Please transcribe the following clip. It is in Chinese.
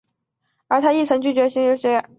而他亦拒绝减薪续约。